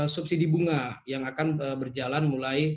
subsidi bunga yang akan berjalan mulai